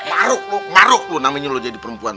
maruk lu maruk lu namanya lu jadi perempuan